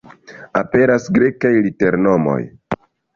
Aperas Grekaj liternomoj.